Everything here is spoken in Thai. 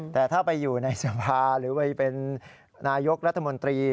แต่ถ้าไปอยู่ในสภาหรือไปเป็นนายกรัฐมนตรี